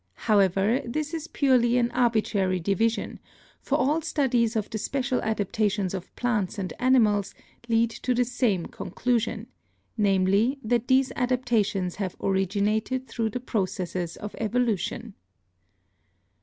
However, this is purely an arbitrary division, for all studies of the special adaptations of plants and animals lead to the same con clusion — namely, that these adaptations have originated through the processes of evolution.